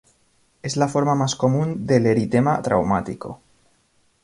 Es la forma más común del eritema traumático.